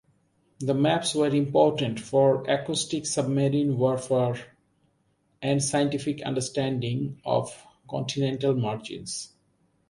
The maps were important for acoustic submarine warfare and scientific understanding of continental margins.